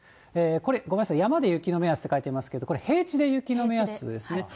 これ、ごめんなさい、山で雪の目安って書いてますけれども、これ平地で雪の目安ですね。